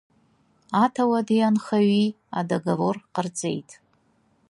Аҭауади анхаҩи адоговор ҟарҵеит…